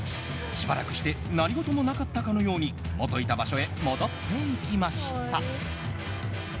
しばらくして何事もなかったかのように元いた場所へ戻っていきました。